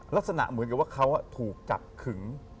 ลักษณะเหมือนกับว่าเขาถูกกักขึง